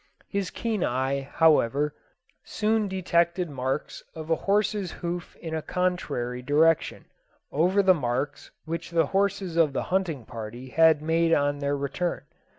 His keen eye, however, soon detected marks of a horse's hoof in a contrary direction, over the marks which the horses of the hunting party had made on their return.